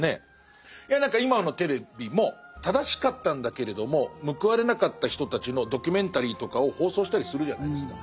いや何か今のテレビも正しかったんだけれども報われなかった人たちのドキュメンタリーとかを放送したりするじゃないですか。